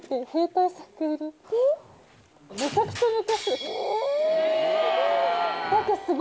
めちゃくちゃ昔。